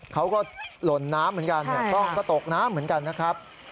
หล่นน้ำเหมือนกันกล้องก็ตกน้ำเหมือนกันนะครับ